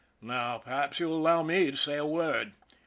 " Now perhaps you will allow me to say a word.